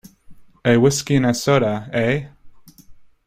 A whisky and soda, eh?